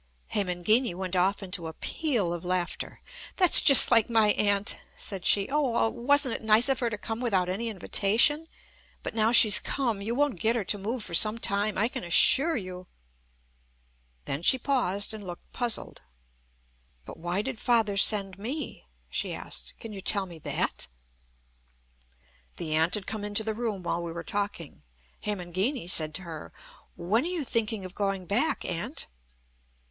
Hemangini went off into a peal of laughter. "That's just like my aunt," said she. "Oh I wasn't it nice of her to come without any invitation? But now she's come, you won't get her to move for some time, I can assure you!" Then she paused, and looked puzzled. "But why did father send me?" she asked. "Can you tell me that?" The aunt had come into the room while we were talking. Hemangini said to her: "When are you thinking of going back, Aunt?"